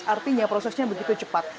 artinya prosesnya begitu cepat